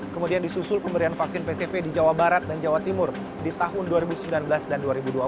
kemudian disusul pemberian vaksin pcv di jawa barat dan jawa timur di tahun dua ribu sembilan belas dan dua ribu dua puluh